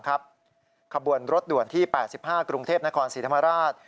ขบวนรถด่วนที่๘๕กรุงเทพนครศรีธรรมราช